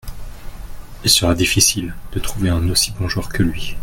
Il sera difficile de trouver un aussi bon joueur que lui.